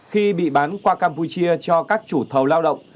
khi bị bán qua campuchia cho các chủ thầu lao động